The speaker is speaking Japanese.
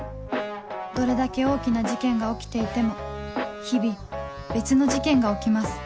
どれだけ大きな事件が起きていても日々別の事件が起きます